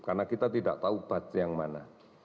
karena kita tidak tahu batch yang mana